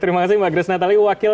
terima kasih mbak grace nathalie